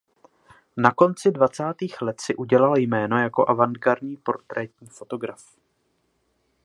Na konci dvacátých let si udělal jméno jako avantgardní portrétní fotograf.